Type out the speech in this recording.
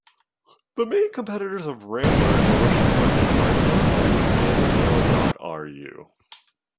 The main competitors of Rambler in the Russian market are Yandex and Mail.ru.